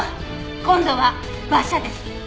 今度は馬車です。